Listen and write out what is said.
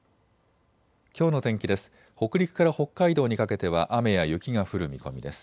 きょうの天気です。